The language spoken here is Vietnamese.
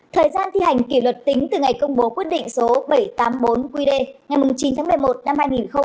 thời gian thi hành kỷ luật tính từ ngày công bố quyết định số bảy trăm tám mươi bốn qd ngày chín tháng một mươi một năm hai nghìn một mươi ba